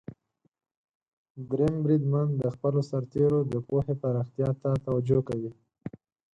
دریم بریدمن د خپلو سرتیرو د پوهې پراختیا ته توجه کوي.